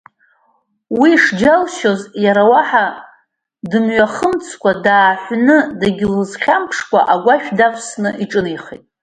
Уи шџьалшьоз, иара уаҳа дымҩахымҵкәа, дааҳәны дагьлыхәамԥшкәа агәашә давсны иҿынеихеит.